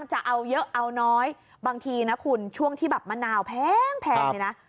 จะเอาเยอะเอาน้อยบางทีนะคุณช่วงที่แบบมะนาวแพงเลยนะ